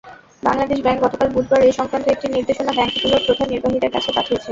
Bangladesh Bank গতকাল বুধবার এ–সংক্রান্ত একটি নির্দেশনা ব্যাংকগুলোর প্রধান নির্বাহীদের কাছে পাঠিয়েছে।